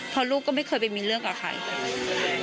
เพราะลูกก็ไม่เคยไปมีเรื่องกับใคร